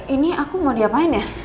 ini aku mau diapain ya